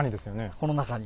この中に。